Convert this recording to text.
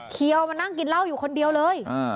เขียวมานั่งกินเหล้าอยู่คนเดียวเลย